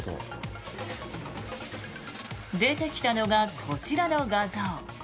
出てきたのがこちらの画像。